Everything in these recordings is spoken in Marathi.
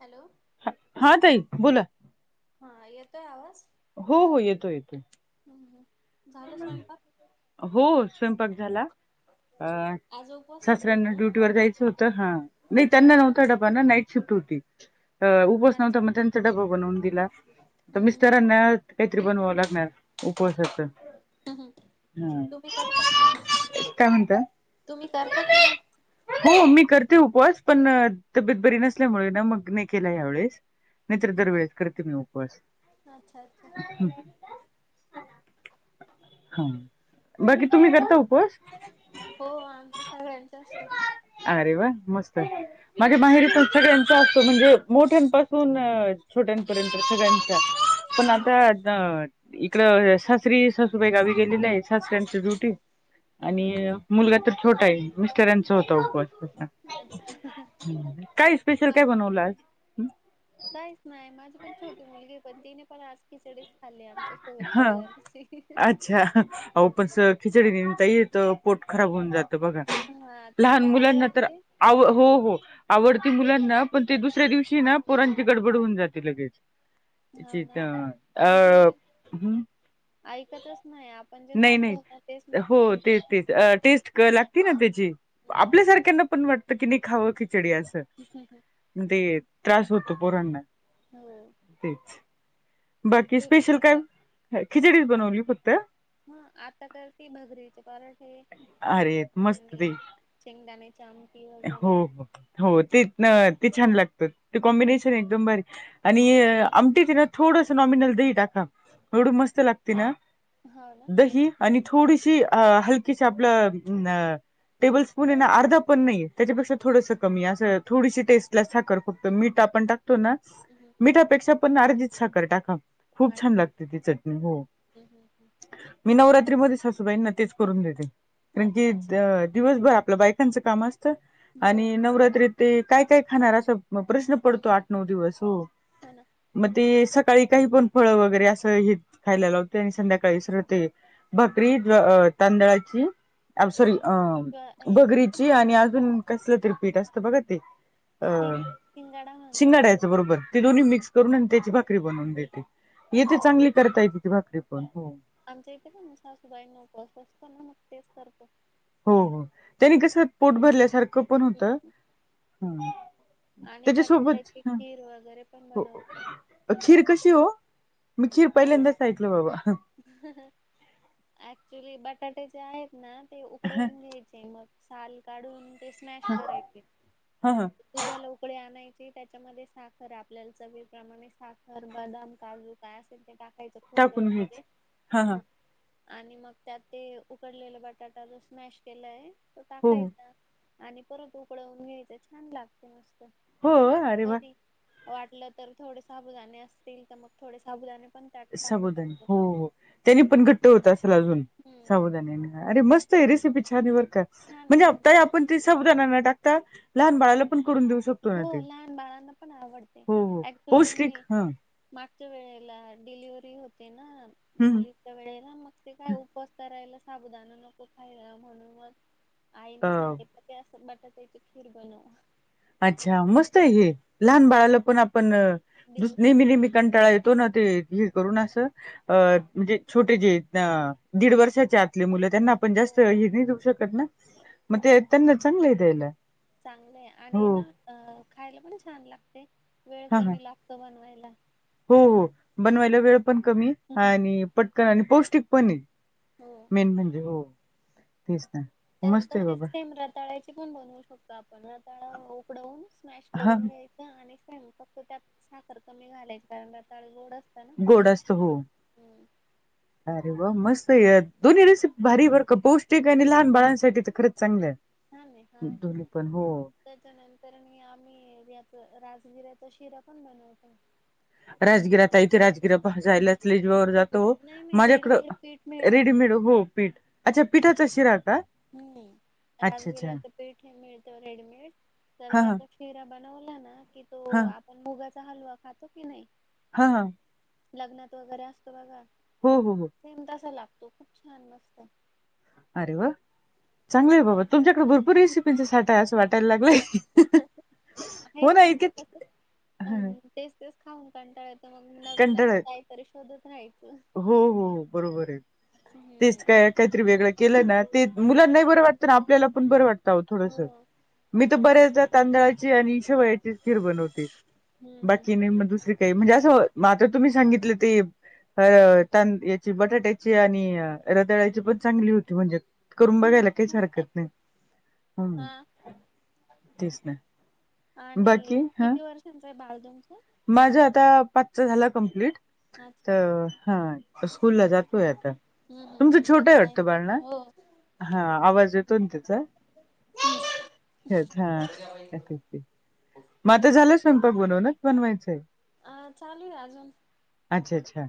हॅलो. हा ताई बोला. हा येतोय आवाज? हो हो येतोय येतोय. हम्म हम्म झालं स्वयंपाक. हो स्वयंपाक झाला. अ आज उपवास असेल सासऱ्यांना ना ड्युटीवर जायचं होतं हा नाही त्यांना हम्म नव्हतं डब नाईट शिफ्ट होती तर उपवास नव्हता अच्छा मग त्यांचा डबा बनवून दिला. तर हम्म हम्म मिस्टरांना कायतरी बनवावं लागणार उपवासाचं. हम्म हम्म तुम्ही करता कि नाय काय म्हणता तुम्ही करता कि नाय? हो मी करते उपवास पण तब्येत बरी नसल्यामुळे ना मग नाही केला यावेळेस. नाय तर दरवेेळेस करते मी उपवास अच्छा अच्छा हम्म. हा बाकी तुम्ही करता उपवास? हो आमचा सगळ्यांचा असतो अरे वा मस्त माझ्या माहेरी पण सगळे सगळ्यांचा असतो म्हणजे मोठ्यांपासून छोट्यांपर्यंत सगळ्यांचा पण आता हम्म अ इकड स श्री सासुबाई गावी गेलेली आहे सासऱ्यांचं ड्युटी आणि हम्म मुलगा तर छोटा आहे मिस्टरांचा होता उपवास तसा अच्छा हम्म काय स्पेशल काय माझे बनवलं आज? काहीच नाही माझी पण छोटी मुलगी आहे पण तिने पण आज खिचडीच खाल्ली आण हा अ च्छा अहो पण स खिचडी ताई तो पोट खराब होऊन जातं बघा. हा लहान तिला मुलांना तर आवडते. आव हो हो आवडती मुलांना पण ते दुसऱ्या आहे ना पोरांची गडबड होऊन जाते लगेच हो ची ना तर अ पण ती हम्म ऐकतच नाही आपण जे नाही खातो ना तेच नाही हो मागते तेच तेच अ टेस्ट क लागती ना त्याची हम्म आपल्यासारख्यांना पण वाटतं कि नाही खावं खिचडी असं ह हं हं मग ते त्रास होतो पोरांना हो तेच बाकी तू स्पेशल काय हे खिचडीच बनवली फक्त हा आता करती भगरीचे पराठे अरे मस्त ते आणि शेंगदाणेची आमटी वगैरे हो हो तेच न ते छान लागतं ते हम्म, कॉम्बिनेशन आहे. एकदम बारी आणि आमटीत हे ना थोडस नॉमिनल दही टाका. एवढं मस्त लागते ना हो ना दही आणि थोडीशी अ हलकीशी आपलं न टेबल स्पून ये ना अर्धा पण नाहीये त्याच्यापेक्षा थोडसं कमी असं थोडीशी टेस्टला साखर फक्त मीठ आपण टाकतो ना हम ह मिठापेक्षा पण अर्धीच साखर टाका खूप अ- छान लागते ती चटणी हो हम्म, हम्म, हम्म. मी नवरात्रीमध्ये सासूबाईंना तेच करून देते कारण अच्छा की अच्छा द दिवसभर आपल्या बायकांचं काम असतं हो आणि नवरात्रीत ते काय काय खाणार असं मग प्रश्न पडतो हम्म, आठ नऊ दिवस हो हो ना मग ते सकाळी काही पण फळ वगैरे असं हे खायला लावते आणि संध्याकाळी सरळ ते भाकरी तांदळाची सॉरी अ किंवा हे भगरीची आणि बघ, आण अजून कसलं तरी पीठ असतं बघा ते अ शिंग शिंगाडा म्हणत हो शिंगाड्याचं बरोबर ती दोन्ही मिक्स करून आणि त्याची भाकरी बनवून देते येथे हो. चांगली करता येते तिची भाकरी पण हो आमच्या इथे पण सासूबाईना उपवास असतो ना मग तेच करतो. हो हो त्यानी कस पोट भरल्यासारखं पण होत हम्म. हम्म आणि त्याच्यासोबत बटाट्याची हा खीर वगैरे पण हो बनवत खीर कशी हो मी खीर पहिल्यांदाच ऐकलो बाबा अक्च्युली जे बटाटे जे आहेत ना ते उकडवून घ्यायचे मग साल काढून ते स्मॅश करायचे हा हा दुधाला उकळी आणायचे त्याच्यामध्ये साखर आपल्याला चवीप्रमाणे साखर बदाम काजू काय असतील तर ते टाकायचं खोबरं टाकून वगैरे घ्यायच हा आणि मग त्यात ते उकडलेला बटाटा जो स्मॅश केलेला आहे तो हो हो टाकायचा आणि परत उकडवून घ्यायचं छान लागते मस्त हो आणि अरे वा कधी वाटलं तर थोडे साबुदाणे असतील तर मग थोडेसे साबुदाणे पण त्यात टाकू साबुदाणे शकतो. हो हो त्याने पण घट्ट होत असल अजून हम्म साबुदाण्याने अरे, मस्त आहे रेसीपी छान आहे. बर का छान आहे म्हणजे पण ते साबुदाणा न टाकता लहान बाळाला पण करून देऊ शकतो. हो ना ते लहान बालांना पण आवडते हो हो ऍक्चुली पौष्टिक मी. ह मागच्या वेळेला डिलिव्हरी होती ना मुलीची. त्या वेळेला मग ते काय उपस्ता राहिला साबुदाान नको फायदा म्हणून मग आई ने अ सांगितलं असं बटाट्याची खीर बनव. अच्छा, मस्त आहे हे, लहान बाळाला पण आपण देऊ नेहमी शकतो नेहमी. कंटाळा येतो ना ते हे करून असं. अ म्हणजे छोटे जे दीड वर्षाच्या आतले मुलं. त्यांना आपण हो जास्त हे नाही देऊ शकत ना मग ते त्यांना चांगलं आहे द्यायला. चांगले आहे हो आणि ना आता खायला पण छान लागते वेळ हा हा कमी लागत बनवायला. हो हो बनवायला वेळ पण कमी हम्म. आणि पटकन आणि पौष्टिक पण हे. हो... मेन म्हणजे हो तेच ना. मस्त आहे तसेच बाबा खीर रताळ्याची पण बनवू शकतो आपण. उकडवून स्मॅश हा करून घ्याय. आणि स फक्त त्यात साखर कमी घालायच कारण रताळ गोडअसत. गोड आसत हो.. अरे वा मस्त या दोन्ही रेसिपी भारी बर का पौष्टिक आणि लहान बाळांसाठी तर खरंच चांगलं आहे. हा नाही हा. दोन्ही पण हो त्याच्यानंतर म आम्ही यात राजसगिऱ्याचा शिरा पण बनवतो. राजगिरा ताई इथे उपवास राजगिर भाजायलाच लई जिवावर जातो नाही ओ नाही रेडीमेड माझ्याकडं पीठ मिळत त्यात रेडीमेड हो पीठ अच्छा! पीठाचा शिरा का? हम्म अच्छा अच्छा राजगिर्याच तर पीठ हे मिळत रेडीमेड तर हा हा त्याच शिरा बनवला ना की तो हा आपण मुगाचा हलवा खातो की नाही. हा हा.. लग्नात वगैरे असतो बघा. हो हो हो.. सेम तसा लागतो खूप मस्त. अरे वा. हम्म चांगलंय बाबा तुमच्याकडे भरपूर रेसिपींचे साठा आहे असं वाटायला लागलंय. आहेत हो ना म्हणजे इतके कसं ह. अं तेच तेच खाऊन कंटाळा येतो तर मग म नवीन, नवीन कंटाळा येतो काहीतरी शोधत राहायचं. हो, हो, बरोबर आहे. हम्म तेच काय काहीतरी वेगळं केलं ना, ते मुलांना बर वाटतं ना आपल्याला पण बरं वाटतं. थोड हो मी तर बऱ्याचदा तांदळाची आणि शेवयाची तीच खीर बनवते. हम्म हम्म बाकी हम्म दुसरी काही म्हणजे असं आता तुम्ही सांगितलं ते ह तां याची बटाट्याची आणि रतळाची पण चांगली होती म्हणजे, करुन हम्म बघायला काहीच छान हरकत नाही. लागतो हम्म हा, तेच ना आणि किती वर्ष कसा आहे बाळ तुमचं. माझं आता पाचचा झाला कंप्लीट. अच्छा तर हा स्कूल ला जातोय आता. हम्म हम्म हम्म तुमच मग छोटं काय वाटतं नाही. बाळ ना हा आवाज येतो ना तिचा त्याचा हा. हो माझ झालं स्वयंपाक बनवन बनवायचंय. अ चालूय अजून. अच्छा- अच्छा!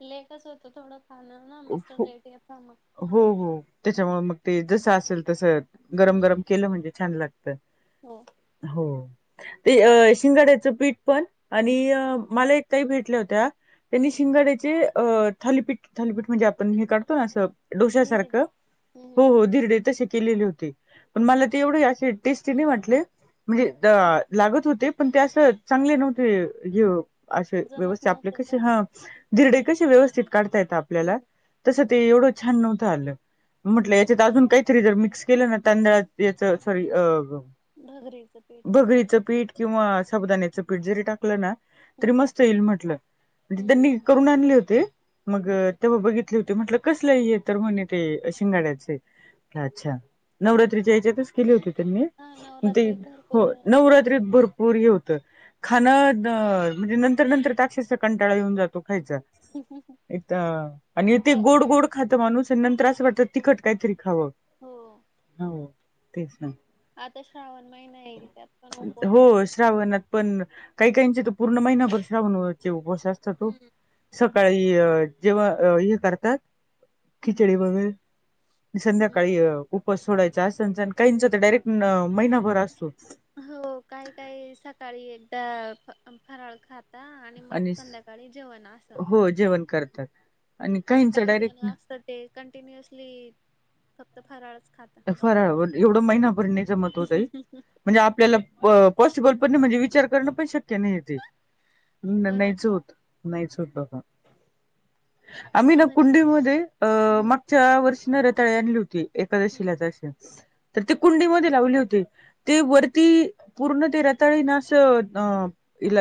लेटच होतं थोडं खाण ना हो मिस्टर लेट येता मग. हो चालेल हो त्याच्यामुळे मग ते जसं असेल तस गरम हम्म गरम केलं म्हणजे छान लागत. हो. हो, ते शिंगाड्याचं पीठ पण आणि हम्म मला एक ताई भेटल्या होत्या त्यांनी हम्म शिंगड्याचे अ थालीपीठ- थालीपीठ म्हणजे आपण हे काढतो ना असं धीरे दे डोश्यासारखं, हम्म हो हो धिरडे तसे केलेले होते पण मला ते एवढे असे टेस्टी नाही वाटले, म्हणजे हम्म लागत होते पण ते असं चांगले नव्हते. [unintelligible] अशी जमत व्यवस्था आपल्या नव्हते कशी का? हा. धीरडे कसे व्यवस्थित काढता येत आपल्याला, हम्म तसं ते एवढं छान नव्हतं आलं. म्हटलं याच्यात अजून काहीतरी जर मिक्स केलं ना तांदळा याच सॉरी अ भगरीचं पीठ वगैरे भगरीच पीठ किंवा साबुदाण्याचं पीठ जरी टाकलं ना तरी हम्म मस्त येईल म्हटलं म्हणजे हम्म त्यांनी करून आणले होते मग हम्म हम्म. तेव्हा बघित ठेवते म्हंटल कसं? [unintelligible] म्हणे ते शिंगाड्याच अच्छा नवरात्रीच्या याच्या तच केले होती त्यांनी, हा ते नवरात्रीत भरपूर हो वेगवेगळे नवरात्रीत भर [unintelligible] होत खाणं म्हणजे नंतर- नंतर ताक्षस कंटाळा येऊन जातो खायचा. हू हू हू. [unintelligible] आणि ते गोड गोड खातं माणूस आणि नंतर असं वाटत तिखट काहीतरी खावं. हो हो तेच ना. आता श्रावण महिना येईल त्यात पण उपवास हो श्रावणात पण काही काहीचे तर पूर्ण महिनाभर श्रावणचे उपवास असतात ओ. हम्म सकाळी जेव्हा हे करतात. खिचडी वगैर संध्याकाळी उप उपवास सोडायचं असनचन काहीचा तर डायरेक्ट महिनाभर असतो. हो काही काही सकाळी एकदा फराळ खात [unintelligible] आणि मग संध्याकाळी जेवण असं. हो जेवण करतात. आणि काहींच काही जण डायरेक्ट असत ते कंटिन्युअसली फक्त फराळच खातात. फराळ एवढं महिनाभर नाही जमत हो ताई म्हणजे आपल्याला पॉसिबल पण नाही म्हणजे विचार करणं पण शक्य नाही तेे, हो ना नाहीच होत. नाहीच होत का? आम्ही ना म्हणजे कुंडी मध्ये अ हम्म मागच्या वर्षी न रताळी आणली होती ए [unintelligible] हम्म तर ते कुंडी मध्ये लावले होते, ते हम्म वरती पूर्ण ते रताळी ना अस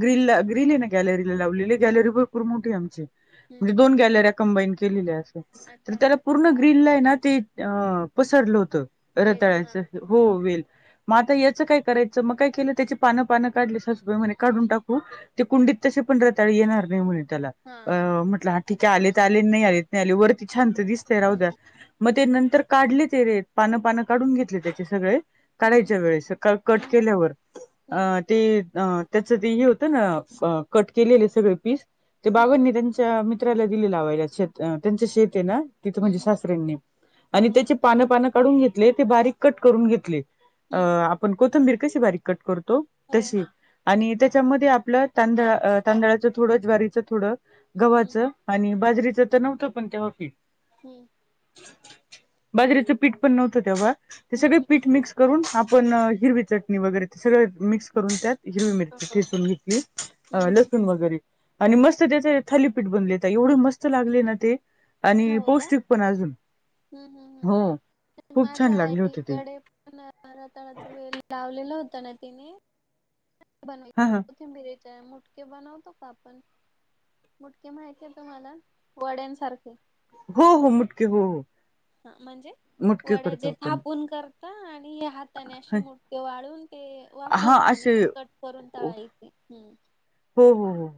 ग्रीनला ग्रीन आहे ना गॅलरी ला लावलेली हो गॅलरी [unintelligible] मोठी आमची म्हणजे हम्म दोन गॅलरी कंबाईन केलेल्या असं. तर अच्छा त्याला ह पूर्ण ग्रीनला ना ते अ पसरलं होतं वेल हा रताळ्याचं. हो वेल. मग आता याचं काय करायचं मग काय केलं त्याची पानं- पानं काढली सासुबाई म्हणे काढून टाकू. ते ह कुंडीत तसे पण रताळी येणार नाही म्हणे त्याला हा अ म्हंटलं आ ठीक आलेत आले नाही आलेत नाही आले वरती छान त दिसतंय राहु द्या हम्म मग ते नंतर काढले ते रे पानं पानं काढून घेतले त्याचे सगळे हम्म काढायच्या वेळेस कट हम्म केल्यावर. हम्म ते त्याच ते हे होत ना कट केलेले सगळे पीस. ते हम्म बाबांनी त्यांच्या मित्राला दिले लावायला शेत त्यांच शेत आहे ना तिथ म्हणजे हम्म सासऱ्यांंनी. हम्म आणि हम्म त्याची पान पान काढून घेतले ते बारीक कट करून घेतले. हम्म आपण कोथंबीर कशी बारीक कट करतो हो तशी. आणि त्याच्यामध्ये आपल तांदळा तांदळाच थोड, ज्वारीच थोड, हम्म गव्हाच. आणि बाजरीच तर नव्हत पण तेव्हा पीठ. हम्म बाजरीच पीठ पण नव्हत तेव्हा ते सगळे हम्म हम्म पीठ मिक्स करून आपण हिरवी चटणी वगैरे ते सगळ मिक्स करून त्यात हिरवी मिरची हो ठेचून घेतली हं, हं, लसूण वगैरे. आणि मस्त त्याचे थालीपीठ बनले ताई एवढे मस्त लागले ना ते आणि हो का पौष्टिक पण आजून. हम्म हम्म हम्म खूप छान माझ्या लागले होते ते आईकडे पण रतळाचा वेळ लावलेला होत ना तिने. हा हा कोथिंबीरीचे मुटके बनवतो का आपण मुटके माहती आहेत तुम्हाला वड्यांसारखे. हो हो मुटके हो. हा म्हणजे मुटके वड्या करतो जे आपण थापून करता आणि हे हात हाताने असे मुटके वाळवून ते हा वाफवून आणि असे मग कट करून हो तळायचे. हो हो हो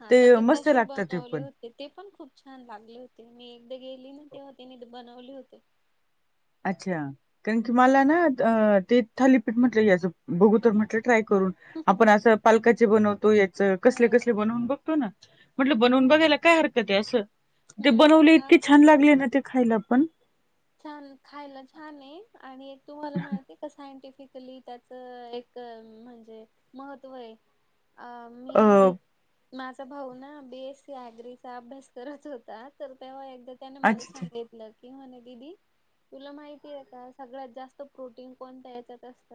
हा तर ते मस्त तशे लागतात ते बनवले पण होते. ते पण खूप छान लागले होते. मी एकदा गेली ना तेव्हा तीनी बनवले होते. अच्छा कारण की मला ना ते थालीपीठ म्हटल याच बघू तर म्हटल ट्राय करून. आपण अस पालकाचे बनवतो याच कसले हो कसले बनवून बघ होना म्हटल बनवून बघायला काय हरकत आहे अस ते हम्म बनवले इतके आणि छान लागले ना ते. खायला पण छान खायला छान आहे आणि तुम्हाला माहितीये का [unintelligible] सायंटिफिकली त्याच एक महत्त्व आहे. अ मी माझा भाऊ ना बी एस सी ॲग्रीचा अभ्यास करत होता. तर तेव्हा एकदा त्याने मला अच्छा अच्छा. सांगितल की म्हणे. दिदी तुला माहितीये का सगळ्यात जास्त प्रोटीन कोणत्या याच्यात असत.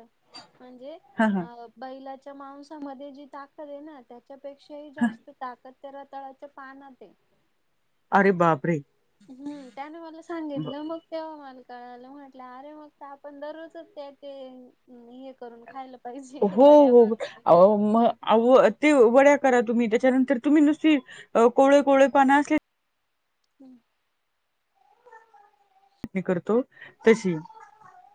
म्हणजे हां, हां, बैलाच्या मावंसामध्ये जी ताकद आहे ना त्या त्याच्यापेक्षाही हां. जास्त ताकद त्या रताळ्याच्या पानात आहे. अरे बापरे. हम्म त्यान मला ब सांगितल मग, तेव्हा मला कळाल म्हटल अरे मग आपण दररोजच त्या ते हे करून खायला पाहिजे हो वड्या हो वगैरे अहो मग अहो ते वड्या करा तुम्ही त्याच्यानंतर तुम्ही नुसती कोवळी कोवळी पाने अस हम्म करतो तशी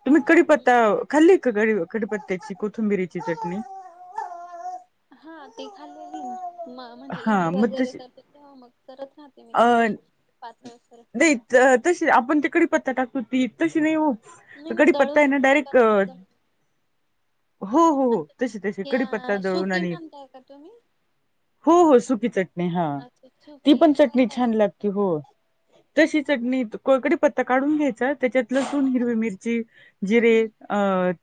तुम्ही कडीपत्ता हम्म. खाल्लीत का? कढीपत्त्याची, कोथिंबिरीची चटणी. हा ती खाल्लेली म्हणजे हा इडली मग वगैरे तशी करते तेव्हा मग करत राहते. मी थोडीशी पातळसर नाही तशी आपण ते कढीपत्ता टाकतो ती तशी नाही होत. नाही तर नाही कडीपत्ता दळून यना थोडी डायरेक्ट. पातळ दळून हो हो हो अच्छा तशी तशी कडीपत्ता या दळून सुकी आणि म्हणताय का तुम्ही हो-हो सुकी चटणी हा, अच्छा ती सुकी पण नाही चटणी ती का छान लागते हो तशी चटणी कडीपत्ता काढून घ्यायचा त्याच्यात लसूण, हम्म हिरवी मिरची, जिरे, हम्म अ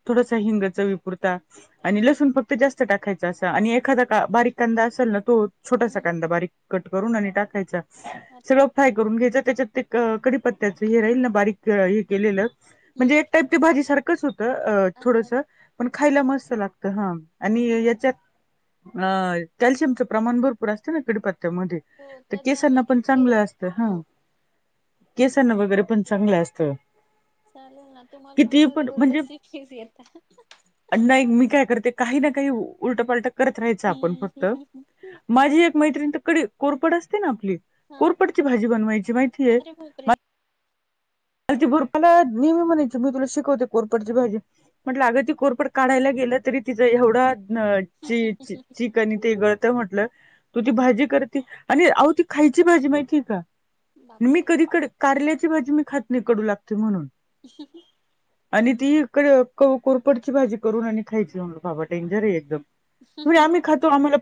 थोडसा हिंग चवीपुरता आणि हम्म लसूण फक्त जास्त टाकायचं, असा आणि एखादा बारीक कांदा असेल ना तो छोटासा हम्म कांदा बारीक कट करून आणि टाकायचा, अच्छा सगळं फ्राय करून घ्यायचा त्याच्यात ते कडीपत्त्याच हे राहील ना, बारीक हे केलेलं हम्म म्हणजे एक टाईप ते भाजी सारखंच होतं, अ अच्छा थोडस पण खायला मस्त लागत हा. आणि हम्म याच्यात अं कॅल्शियमचं प्रमाण भरपूर असत ना कडीपत्या मध्ये हो त्याचानी चांगलं असतं हा, केसांना वगैरे पण चांगल असतं. चालेलं ना, तुम्हाला पण किती भरपूर म्हणजे रेसिपीज येता. नाही मी काय करते काही ना, काही उलटपालट करत राहायचं आपण फक्त हम्म माझी एक मैत्रिण तर कडी कोरफड असते ना आपली, हा कोरफडची भाजी बनवायची माहितेय. ते, अन् भरपुनात नेहमी म्हणायची मी तुला शिकवते कोरफडची भाजी. म्हटलं अग ते कोरफड काढायला गेलं, तरी तिचं एवढं हात चि चि चिक आणि ते गळतं म्हटलं, तू ती भाजी करते आणि अवो ती खायची भाजी माहिती का? मी बापरे कधी कारल्याची भाजी मी खात नाही, कडू लागते म्हणून. अं, हं, हु. आणि ती इक, क- कोरपडची भाजी करून आणि खायची, म्हनंल बाबा टेंजर आहे एकदम. म्हणे आम्ही खातो, आम्हाला प